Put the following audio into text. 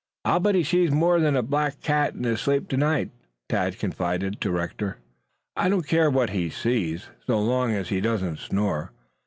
"I'll bet he sees more than a black cat in his sleep tonight," Tad confided to Rector. "I don't care what he sees so long as he doesn't snore.